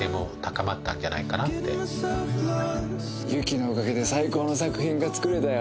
雪のおかげで最高の作品が作れたよ。